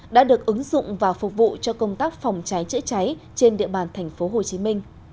đã được ứng dụng và phục vụ cho công tác phòng cháy chữa cháy trên địa bàn tp hcm